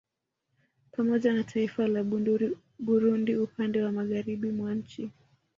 Pamoja na taiifa la Burundi upande Magharibi mwa nchi